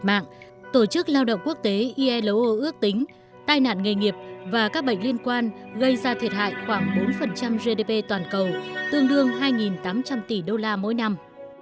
mạng tổ chức lao động quốc tế ilo ước tính tai nạn nghề nghiệp và các bệnh liên quan gây ra thiệt hại khoảng bốn gdp toàn cầu tương đương hai tám trăm linh tỷ đô la mỗi năm